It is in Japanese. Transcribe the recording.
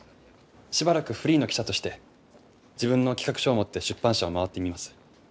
しばらくフリーの記者として自分の企画書を持って出版社を回ってみます。